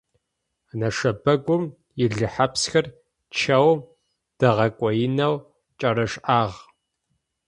Нэшэбэгум илыхьэпсхэр чэум дагъэкӏоенэу кӏэрашӏагъ.